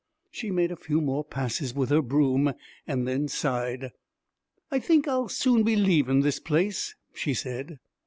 She made a few more passes with her broom and then sighed. 'I think I'll soon be leavin' this place,' she said.